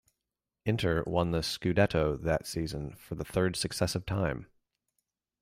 Inter won the "Scudetto" that season for the third successive time.